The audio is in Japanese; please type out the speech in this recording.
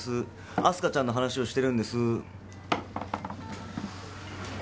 明日香ちゃんの話をしてるんです